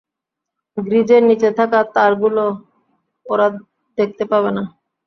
গ্রীজের নীচে থাকা তারগুলো ওরা দেখতে পাবে না।